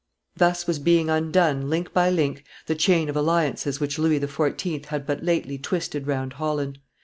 Thus was being undone, link by link, the chain of alliances which Louis XIV. had but lately twisted round Holland.